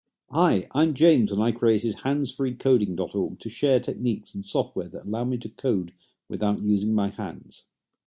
Hi, I'm James, and I created handsfreecoding.org to share techniques and software that allow me to code without using my hands.